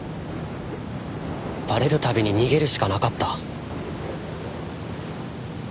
バレる度に逃げるしかなかった。